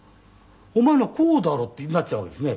「お前のはこうだろ」ってなっちゃうわけですね。